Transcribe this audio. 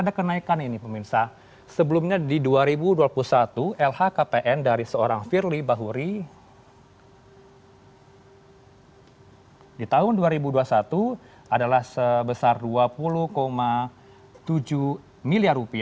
di tahun dua ribu dua puluh satu adalah sebesar rp dua puluh tujuh miliar